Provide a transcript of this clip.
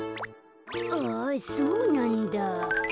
あっそうなんだ。